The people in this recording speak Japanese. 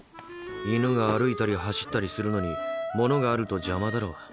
犬が歩いたり走ったりするのにモノがあると邪魔だろう？